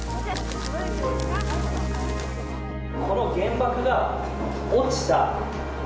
この原爆が落ちた。